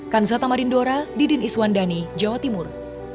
kanza tamarindora didin iswandani jawa timur